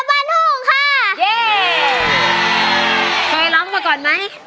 เคยร้องก่อนไหม